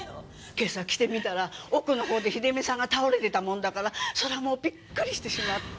今朝来てみたら奥の方で秀実さんが倒れてたもんだからそりゃもうビックリしてしまって。